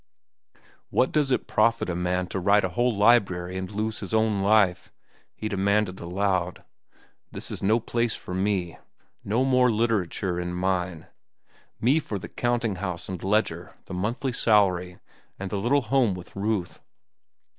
"What does it profit a man to write a whole library and lose his own life?" he demanded aloud. "This is no place for me. No more literature in mine. Me for the counting house and ledger, the monthly salary, and the little home with Ruth."